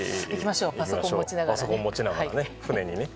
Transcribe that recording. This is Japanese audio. パソコン持ちながらね。